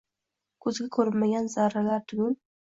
Ko’zga ko’rinmagan zarralar tugul